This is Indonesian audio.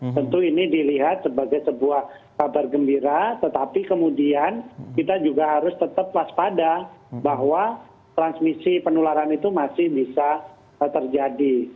tentu ini dilihat sebagai sebuah kabar gembira tetapi kemudian kita juga harus tetap waspada bahwa transmisi penularan itu masih bisa terjadi